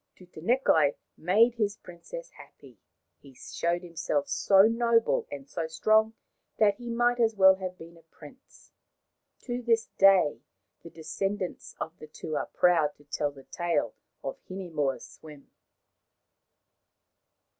Tutanekai made his princess happy. He snowed himself so noble and so strong that he might just as well have been a prince. To this day the descendants of the two are proud to tell the tale of Hinemoa's swim.